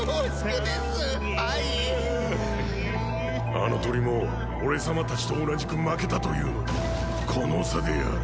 あの鳥も俺様たちと同じく負けたというのにこの差である。